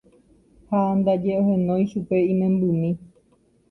ha ndaje ohenói chupe imembymi.